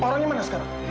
bparangnya mana sekarang